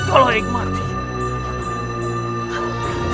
kalau eik mati